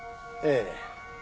ええ。